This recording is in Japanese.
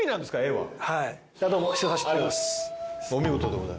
はい。